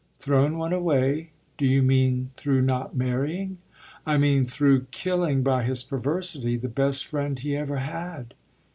"Thrown one away? Do you mean through not marrying ?" "I mean through killing by his perversity the best friend he ever had."